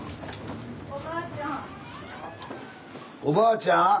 おばあちゃん？